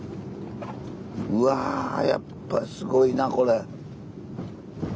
うわやっぱすごいなこれ。